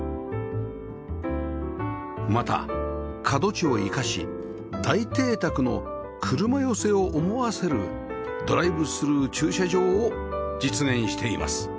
また角地を生かし大抵宅の車寄せを思わせるドライブスルー駐車場を実現しています